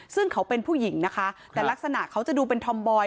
ซึ่งเขาเป็นผู้หญิงนะคะแต่ลักษณะเขาจะดูเป็นธอมบอย